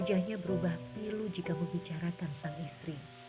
wajahnya berubah pilu jika membicarakan sang istri